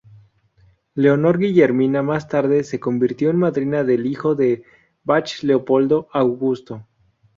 Leonor Guillermina más tarde se convirtió en madrina del hijo de Bach, Leopoldo Augusto.